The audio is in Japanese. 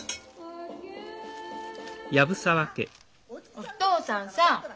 お父さんさあ